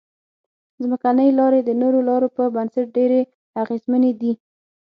ځمکنۍ لارې د نورو لارو په نسبت ډېرې اغیزمنې دي